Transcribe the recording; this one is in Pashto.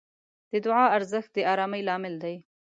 د دعا ارزښت د آرامۍ لامل دی.